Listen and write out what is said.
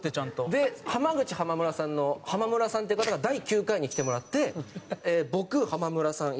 で浜口浜村さんの浜村さんっていう方が第９回に来てもらって僕浜村さん